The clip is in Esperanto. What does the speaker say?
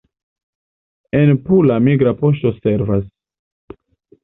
En Pula migra poŝto servas.